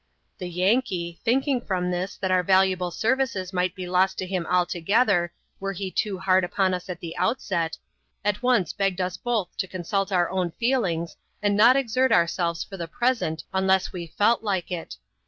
The Yankee, thinking from this that our valuable services might be lost to him altogether, were he too hard upon us at the outset, at once begged us both to consult our own feelings, and not exert our selves for the present, unless we felt like it.